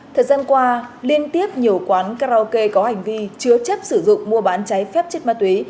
thời gian qua liên tiếp nhiều quán karaoke có hành vi chứa chấp sử dụng mua bán cháy phép chất ma túy